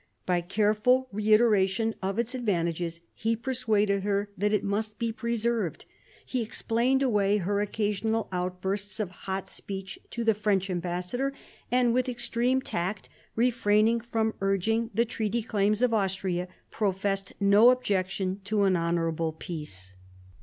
By careful reiteration of its advantages, he persuaded her that it must be preserved ; he explained away her occasional outbursts of hot speech to the French ambassador; and with extreme tact, refraining from urging the treaty claims of Austria, professed no objection to an honourable peace.